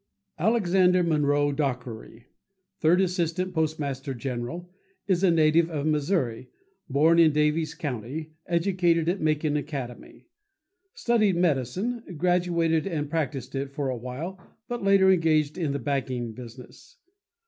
Alexander Monroe Dockery, Third Assistant Postmaster General, is a native of Missouri, born in Daviess County, educated at Macon Academy; studied medicine, graduated and practiced it for a while but later engaged in the banking business.